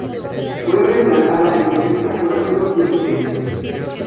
Fue reemplazada en Defensa por Arturo Puricelli.